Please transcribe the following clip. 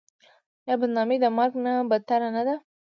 آیا بدنامي د مرګ نه بدتره نه ده؟